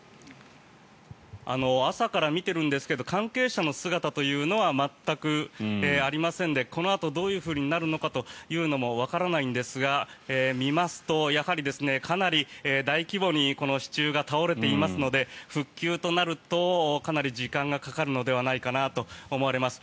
朝から見てるんですが関係者の姿というのは全くありませんでこのあとどうなるのかというのもわからないんですが見ますと、やはりかなり大規模にこの支柱が倒れていますので復旧となるとかなり時間がかかるのではないかなと思われます。